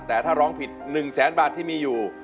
แต่ถ้าร้องผิด๑๐๐๐๐๐๐๐๐บาทที่มีอยู่